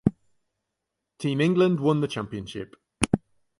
Team England won the championship.